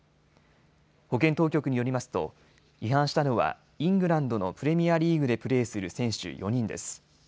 保健当局によりますと違反したのはイングランドのプレミアリーグでプレーする選手４人です。